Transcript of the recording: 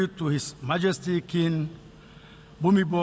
ขอบคุณครับ